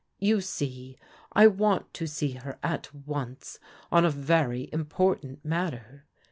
" You see, I want to see her at once on a very important matter.